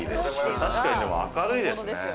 確かに明るいですね。